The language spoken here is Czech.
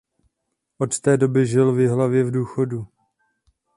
Od té doby žil v Jihlavě v důchodu.